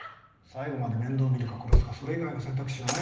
最後まで面倒を見るか殺すかそれ以外の選択肢はないんですよ。